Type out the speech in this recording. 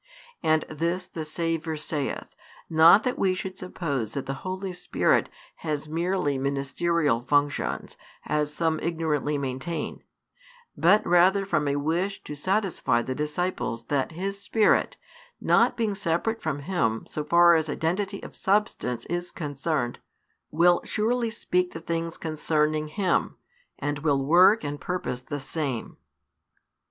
And this the Saviour saith, not that we should suppose that the Holy Spirit has merely ministerial functions, as some ignorantly maintain, but rather from a wish to satisfy the disciples that His Spirit, not being separate from Him so far as identity of Substance is concerned, will surely speak the things concerning Him, and will work and purpose the same.